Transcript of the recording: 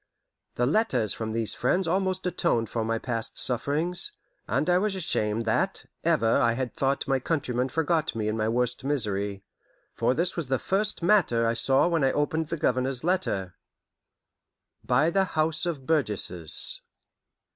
The letters from these friends almost atoned for my past sufferings, and I was ashamed that ever I had thought my countrymen forgot me in my worst misery; for this was the first matter I saw when I opened the Governor's letter: By the House of Burgesses.